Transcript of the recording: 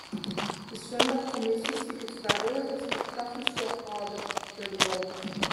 De swimbadkommisje siket frijwilligers dy't tafersjochhâlder wurde wolle.